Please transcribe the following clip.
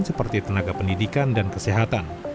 seperti tenaga pendidikan dan kesehatan